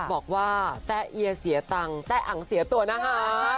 บอกว่าแต่เอียเสียตังแต่อังเสียตัวนะคะ